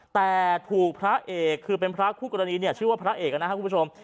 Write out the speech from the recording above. แต่ถูกพระเอกคือเป็นพระคู่กรณีเนี่ยชื่อว่าพระเอกนะครับคุณผู้ชม